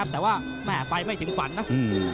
แต่ว่าไม่ถึงฝันเนอะ